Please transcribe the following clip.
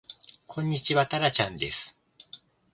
こんにちはたらちゃんです